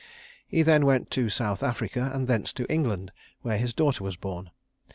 He then went to South Africa and thence to England, where his daughter was born.